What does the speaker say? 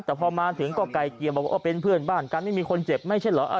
แต่พอมาถึงก็ไกลเกียบว่านี่มีคนเจ็บไม่ใช่เหรออ่า